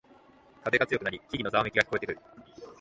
風が強くなり木々のざわめきが聞こえてくる